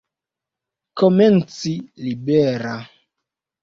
Komenci libera.